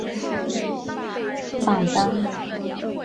告示牌百强单曲榜是美国的一个单曲排行榜单。